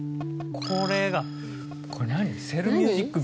これがこれ何？